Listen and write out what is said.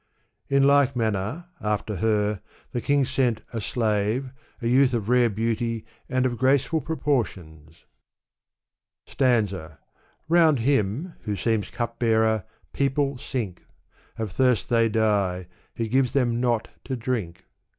In like manner, after her, the king sent a slave, a. youth of rare beauty and of graceful proportions. Sfansa. Round him f who seems cupbearer, people sink ; Of ffiirst they die, he gives 0iem not to drink.